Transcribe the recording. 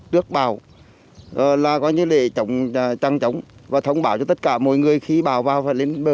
đưa bào là gọi như lệ trọng trang trọng và thông báo cho tất cả mỗi người khi bào vào và lên bờ